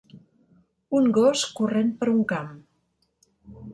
Un gos corrent per un camp.